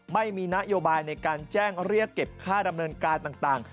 ไม่มีนโยบายในการแจ้งเรียกเก็บค่าดำเนินการต่าง